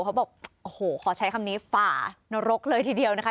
เขาบอกโอ้โหขอใช้คำนี้ฝ่านรกเลยทีเดียวนะคะ